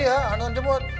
ya anton di jepot